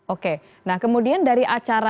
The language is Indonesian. oke nah kemudian dari acara